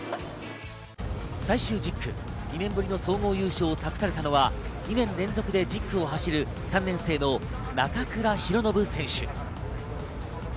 最終１０区、２年ぶりの総合優勝を託されたのは２年連続で１０区を走る、３年生の中倉啓敦選手。